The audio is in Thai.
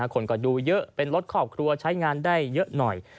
คนก็ดูเยอะเป็นรถครอบครัวใช้งานได้เยอะหน่อย